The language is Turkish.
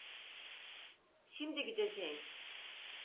Şimdi gideceğim.